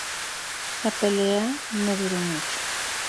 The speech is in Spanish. La pelea no duró mucho.